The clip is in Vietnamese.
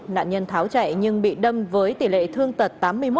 nạn nhân tháo chạy nhưng bị đâm với tỷ lệ thương tật tám mươi một